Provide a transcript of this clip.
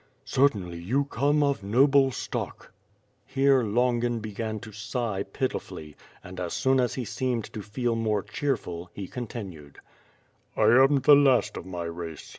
"Certainly, you come of noble stock!*' Here Longin began to sigh pitifully; and as soon as he seemed to feel more cheerful, he continued: "I am the last of my race.